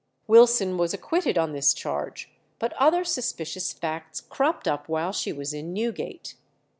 Wilson was acquitted on this charge, but other suspicious facts cropped up while she was in Newgate.